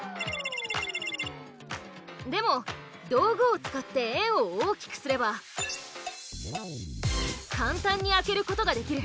でも道具を使って円を大きくすれば簡単に開けることができる。